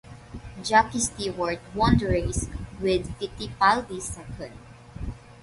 Jackie Stewart won the race, with Fittipaldi second.